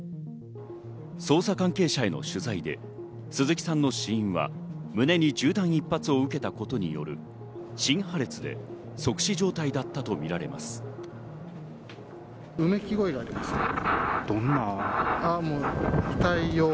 捜査関係者の取材で鈴木さんの死因は胸に銃弾１発を受けたことによる心破裂で即死状態だったとみられます。